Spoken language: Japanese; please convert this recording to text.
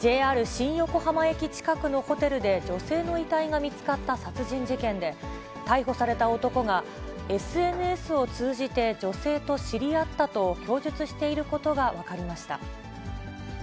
新横浜駅近くのホテルで女性の遺体が見つかった殺人事件で、逮捕された男が、ＳＮＳを通じて女性と知り合ったと供述していることが分かりました。